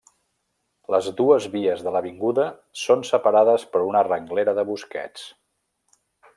Les dues vies de l'avinguda són separades per una renglera de bosquets.